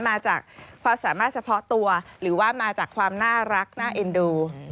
มาจากความสามารถเฉพาะตัวหรือว่ามาจากความน่ารักน่าเอ็นดู